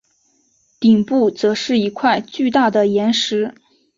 顶部则是一块巨大的岩石。